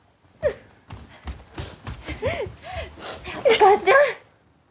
お母ちゃん！